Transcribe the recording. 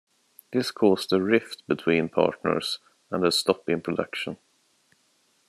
This caused a rift between partners and a stop in production.